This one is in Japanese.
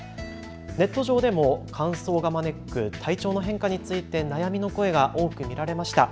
ネット上でも乾燥が招く体調の変化について悩みの声が多く見られました。